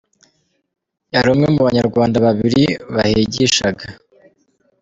Yari umwe mu Banyarwanda babiri bahigishaga.